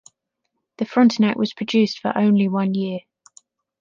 The Frontenac was produced for only one year.